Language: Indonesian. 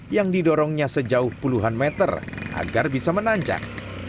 yang didorongnya sejauh puluhan meter agar bisa menanjak